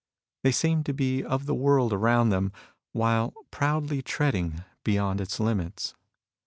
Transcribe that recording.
They seemed to be of the world around them, while proudly treading beyond its limits.